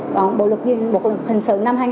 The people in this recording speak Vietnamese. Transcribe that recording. còn bộ luật dịch hình sự năm hai nghìn một mươi chín